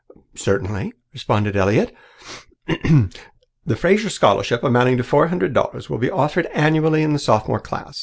"Certainly," responded Elliott. "'The Fraser scholarship, amounting to four hundred dollars, will be offered annually in the Sophomore class.